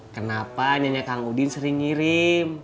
kenapa nyonya kang udin sering ngirim